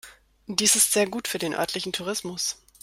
Dies ist sehr gut für den örtlichen Tourismus.